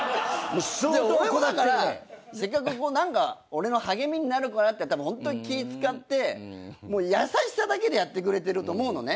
俺もだからせっかく俺の励みになるかなってホントに気使ってもう優しさだけでやってくれてると思うのね。